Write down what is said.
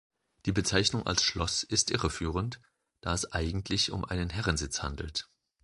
Die Bezeichnung als Schloss ist irreführend, da es eigentlich um einen Herrensitz handelt.